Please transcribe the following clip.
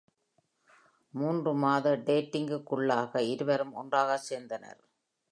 மூன்று மாத டேட்டிங்குக்குள்ளாக, இருவரும் ஒன்றாக சேர்ந்தனர்.